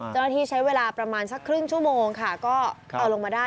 เจ้าหน้าที่ใช้เวลาประมาณสักครึ่งชั่วโมงค่ะก็เอาลงมาได้